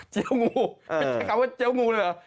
วงูไม่ใช่คำว่าเจี๊ยงูเลยเหรอ